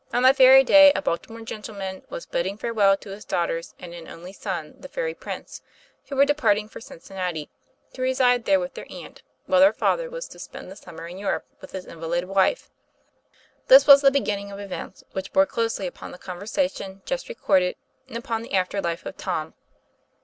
On that very day a Baltimore gentleman was bidding farewell to his daughters and an only son, the "fairy prince," who were departing for Cincin nati, to reside there with their aunt while their father was to spend the summer in Europe with his invalid wife. This was the beginning of events which bore closely upon the conversation just re corded and upon the after life of Tom.